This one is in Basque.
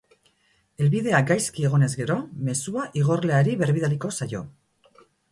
Helbidea gaizki egonez gero, mezua igorleari berbidaliko zaio.